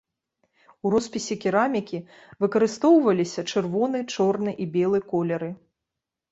У роспісе керамікі выкарыстоўваліся чырвоны, чорны і белы колеры.